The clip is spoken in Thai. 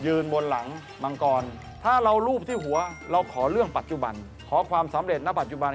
บนหลังมังกรถ้าเรารูปที่หัวเราขอเรื่องปัจจุบันขอความสำเร็จณปัจจุบัน